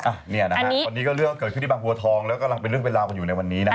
อันนี้ก็เรื่องเกิดขึ้นที่บางหัวทองแล้วก็กำลังเป็นเรื่องเป็นราวอยู่ในวันนี้นะครับ